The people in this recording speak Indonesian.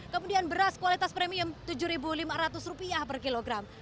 kemudian beras kualitas premium rp tujuh lima ratus per kilogram